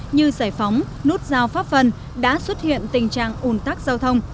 như sài phóng nút giao pháp vân đã xuất hiện tình trạng un tắc giao thông